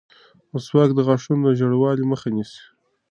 مسواک د غاښونو د ژېړوالي مخه نیسي.